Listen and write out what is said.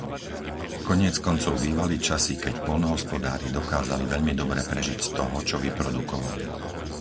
Koniec koncov bývali časy, keď poľnohospodári dokázali veľmi dobre prežiť z toho, čo vyprodukovali.